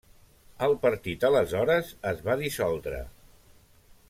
El partit aleshores es va dissoldre.